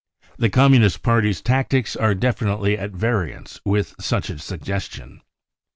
The Commun ist Party's tactics are definitely at variance with such a suggestion.